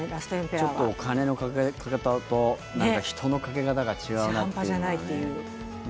ちょっとお金のかけ方と人のかけ方が半端じゃないっていう。